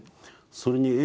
それにＡ